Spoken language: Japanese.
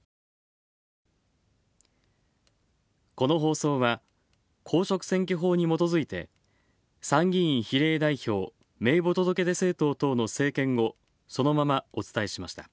この放送は、公職選挙法にもとづいて参議院比例代表名簿届出政党等の政見をそのままお伝えしました。